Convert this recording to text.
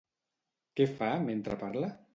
Què fa mentre parla?